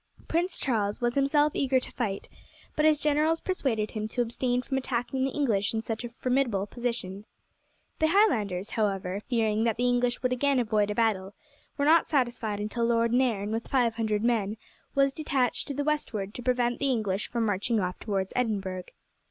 Prince Charles was himself eager to fight, but his generals persuaded him to abstain from attacking the English in such a formidable position. The Highlanders, however, fearing that the English would again avoid a battle, were not satisfied until Lord Nairn with five hundred men was detached to the westward to prevent the English from marching off towards Edinburgh.